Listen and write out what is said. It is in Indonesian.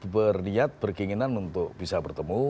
berniat berkinginan untuk bisa bertemu